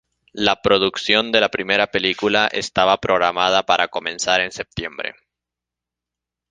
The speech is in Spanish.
La producción de la primera película estaba programada para comenzar en septiembre.